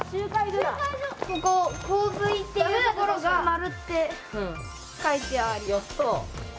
ここ「洪水」っていうところが「○」って書いてある。